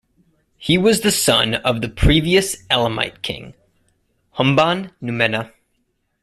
He was the son of the previous Elamite king, Humban-Numena.